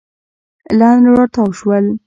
لنډ راتاو شول.